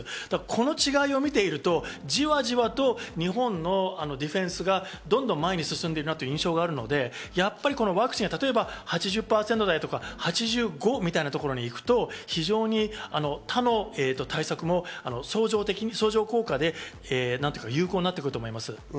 この違いを見てみるとじわじわと日本のディフェンスがどんどん前に進んでいる印象があるので、８０％台とか８５％みたいなところに行くと他の対策も相乗効果で有効になってくると思います。